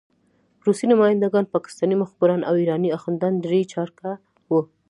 روسي نماینده ګان، پاکستاني مخبران او ایراني اخندان درې چارکه وو.